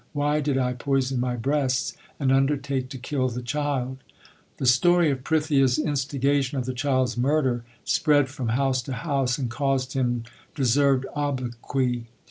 Why did I poison my breasts and undertake to kill the child ? The story of Prithia s instigation of the child s murder spread from house to house and caused him deserved obloquy.